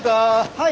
はい。